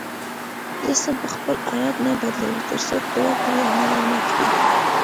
جسم به خپل حالت نه بدلوي تر څو قوه پرې عمل ونه کړي.